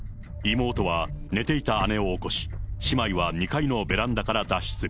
妹は寝ていた姉を起こし、姉妹は２階のベランダから脱出。